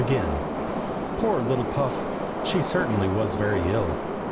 POOR little Puff! she certainly was very ill.